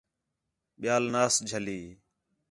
ٻِیال ناس جھلی